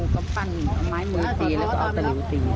คลับตั้งหมามือแล้วก็เอาตันหลิวตี